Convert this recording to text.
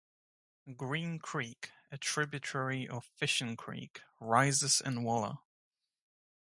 Green Creek, a tributary of Fishing Creek, rises in Waller.